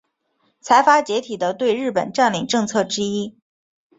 财阀解体的对日本占领政策之一。